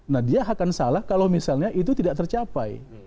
nah dia akan salah kalau misalnya itu tidak tercapai